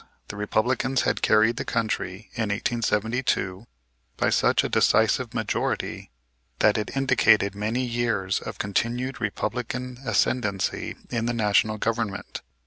The Republicans had carried the country in 1872 by such a decisive majority that it indicated many years of continued Republican ascendency in the National Government.